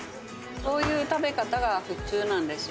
こういう食べ方が普通なんですよ